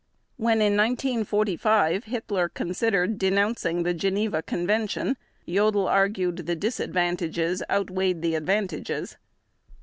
When in 1945 Hitler considered denouncing the Geneva Convention, Jodl argued the disadvantages outweighed the advantages.